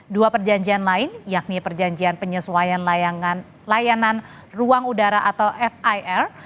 dua perjanjian lain yakni perjanjian penyesuaian layanan ruang udara atau fir